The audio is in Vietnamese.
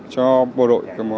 cho bộ đội